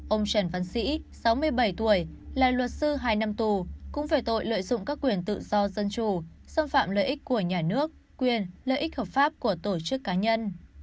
ông trần văn sĩ sáu mươi bảy tuổi là luật sư hai năm tù cũng về tội lợi dụng các quyền tự do dân chủ xâm phạm lợi ích của nhà nước quyền lợi ích hợp pháp của tổ chức cá nhân